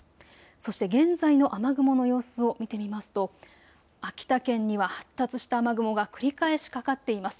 そして現在の雨雲の様子を見てみますと秋田県には発達した雨雲が繰り返しかかっています。